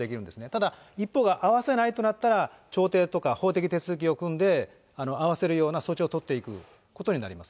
ただ、一方が会わせないとなったら、調停とか法的手続きを組んで、会わせるような措置を取っていくことになります。